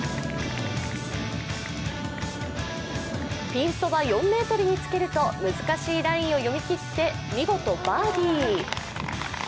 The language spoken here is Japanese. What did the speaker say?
ピンそば４ｍにつけると難しいライを読みきって見事バーディー。